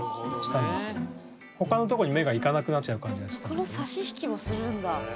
これはこの差し引きもするんだ。